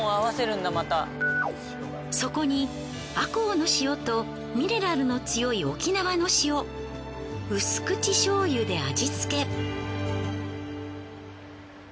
そこに赤穂の塩とミネラルの強い沖縄の塩薄口しょうゆで味付け。